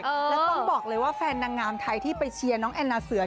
แล้วต้องบอกเลยว่าแฟนนางงามไทยที่ไปเชียร์น้องแอนนาเสือ